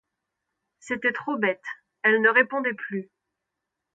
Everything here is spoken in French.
C'était trop bête, elle ne répondait plus.